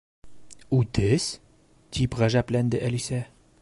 —Үтес? —тип ғәжәпләнде Әлисә.